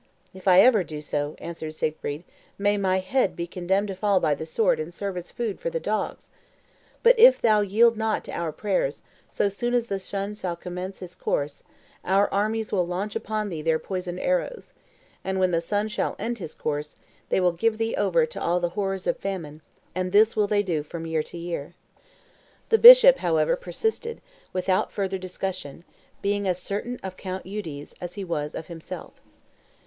"If ever I do so," answered Siegfried, "may my head be condemned to fall by the sword and serve as food to the dogs! But if thou yield not to our prayers, so soon as the sun shall commence his course, our armies will launch upon thee their poisoned arrows; and when the sun shall end his course, they will give thee over to all the horrors of famine; and this will they do from year to year." The bishop, however, persisted, without further discussion; being as certain of Count Eudes as he was of himself.